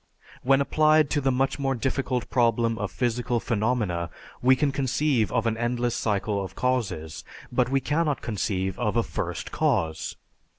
When applied to the much more difficult problem of physical phenomena, we can conceive of an endless cycle of causes, but we cannot conceive of a First Cause.